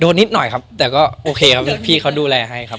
นิดหน่อยครับแต่ก็โอเคครับพี่เขาดูแลให้ครับ